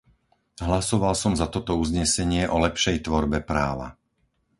Hlasoval som za toto uznesenie o lepšej tvorbe práva.